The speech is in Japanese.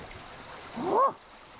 あっ！